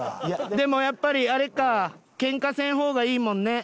でもやっぱりあれかケンカせん方がいいもんね。